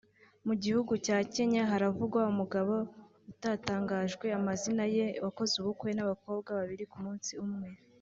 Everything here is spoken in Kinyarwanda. Mu gihugu cya Kenya haravugwa umugabo utatangajwe amazina ye wakoze ubukwe n’ abakobwa babiri ku munsi umwe